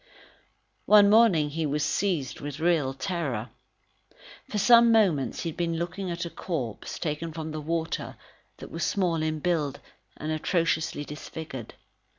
One morning, he was seized with real terror. For some moments, he had been looking at a corpse, taken from the water, that was small in build and atrociously disfigured.